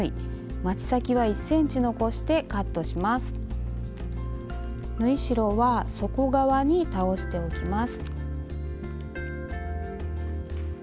まちの縫い代はわき側に倒しておきます。